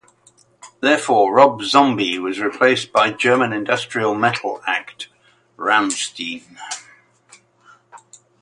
Therefore, Rob Zombie was replaced by German industrial metal act, Rammstein.